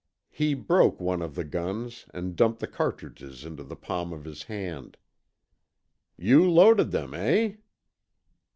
He "broke" one of the guns and dumped the cartridges into the palm of his hand. "You loaded them, eh?"